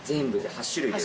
８種類。